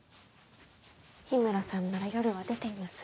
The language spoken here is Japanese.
緋村さんなら夜は出ています。